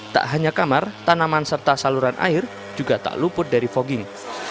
tak hanya kamar tanaman serta saluran air juga tak luput dari fogging